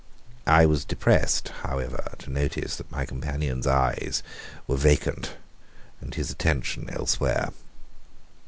I was depressed, however, to notice that my companion's eyes were vacant and his attention elsewhere.